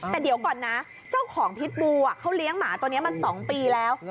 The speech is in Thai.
แต่เดี๋ยวก่อนนะเจ้าของพิษบูเขาเลี้ยงหมาตัวนี้มา๒ปีแล้ว